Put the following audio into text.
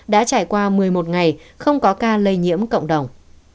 đã trải qua một mươi một ngày không có ca lây nhiễm cộng đồng